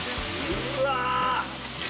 うわ！